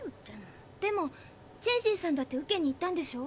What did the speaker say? でもチェンシンさんだって受けに行ったんでしょ？